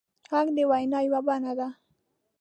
غږ د وینا یوه بڼه ده